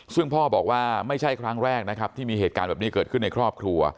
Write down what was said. ซึ่งพ่อบอกว่าไม่ใช่ครั้งแรกนะครับที่มีเหตุการณ์แบบนี้เกิดขึ้นในครอบครัว